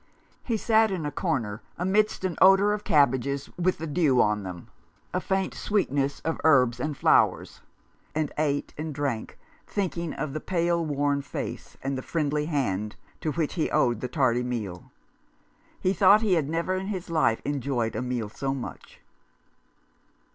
He sat in a corner amidst an odour of cabbages with the dew on them, a faint sweetness of herbs and flowers, and ate and drank, thinking of the pale, worn face, and the friendly hand to which he owed the tardy meal. He thought he had never in his life enjoyed a meal so much.